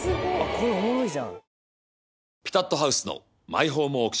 これおもろいじゃん。